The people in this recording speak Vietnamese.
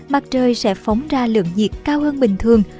mặt trời sẽ phóng ra lượng nhiệt cao hơn bình thường